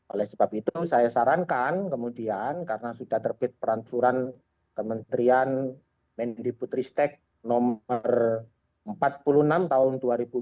oleh sebab itu saya sarankan kemudian karena sudah terbit peraturan kementerian mendiputristek nomor empat puluh enam tahun dua ribu dua puluh